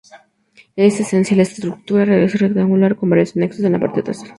En esencia, la estructura es rectangular, con varios anexos en la parte trasera.